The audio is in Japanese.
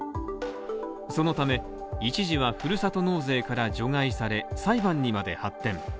そのため、一時はふるさと納税から除外され、裁判にまで発展。